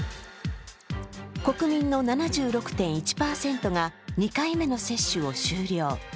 国民の７６．１％が２回目の接種を終了。